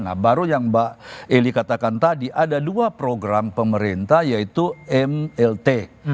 nah baru yang mbak eli katakan tadi ada dua program pemerintah yaitu mlt